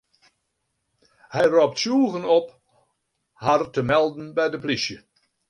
Hy ropt tsjûgen op har te melden by de plysje.